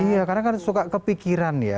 iya kadang kadang suka kepikiran ya